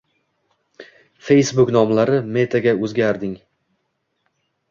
Facebook nomlari Metaga o'zgarding